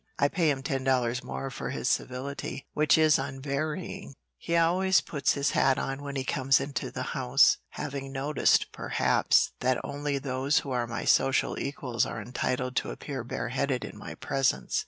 I pay him ten dollars more for his civility, which is unvarying he always puts his hat on when he comes into the house, having noticed, perhaps, that only those who are my social equals are entitled to appear bareheaded in my presence."